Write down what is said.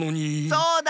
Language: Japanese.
そうだ！